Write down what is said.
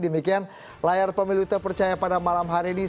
demikian layar pemilu kita percaya pada malam hari ini